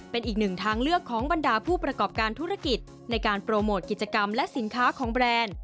เป็นอีกหนึ่งทางเลือกของบรรดาผู้ประกอบการธุรกิจในการโปรโมทกิจกรรมและสินค้าของแบรนด์